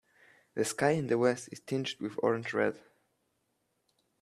The sky in the west is tinged with orange red.